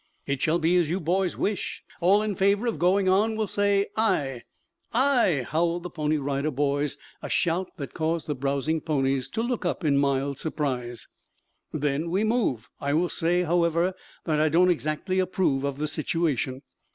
"It shall be as you boys wish. All in favor of going on will say 'aye.'" "Aye!" howled the Pony Rider Boys, a shout that caused the browsing ponies to look up in mild surprise. "Then we move. I will say, however, that I don't exactly approve of the situation."